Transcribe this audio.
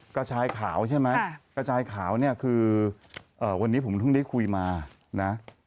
กระชายขาวใช่ไหมกระชายขาวเนี่ยคือวันนี้ผมเพิ่งได้คุยมานะ